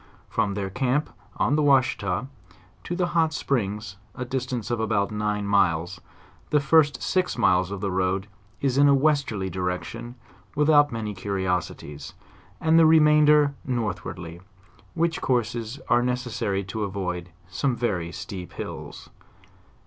From their camp, on the V^ashita, to the hot springs, a distance of about nine miles, the first six miles of the road is in a westerly direction without many curiosities, and the remainder northwardly, which courses are necessary to avoid some very steep hills.